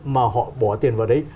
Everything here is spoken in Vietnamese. mà họ bỏ tiền vào đấy